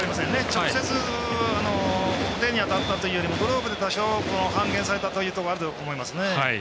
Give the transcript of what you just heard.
直接、手に当たったというよりもグローブで多少半減されたところあると思います。